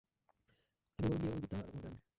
আরে মরুক গিয়ে ঐ গুপ্তা আর ওর ব্যান্ড।